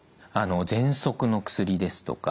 ぜんそくの薬ですとか